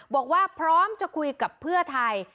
บอกว่าพร้อมจะคุยกับเพื่อไทย